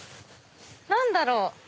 何だろう？